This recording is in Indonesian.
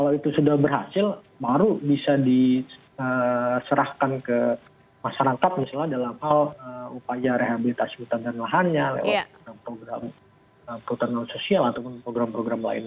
kalau itu sudah berhasil baru bisa diserahkan ke masyarakat misalnya dalam hal upaya rehabilitasi hutan dan lahannya lewat program perhutanan sosial ataupun program program lain